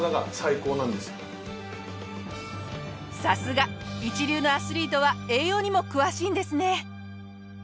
さすが一流のアスリートは栄養にも詳しいんですね！